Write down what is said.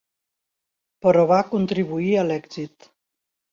Però va contribuir a l'èxit.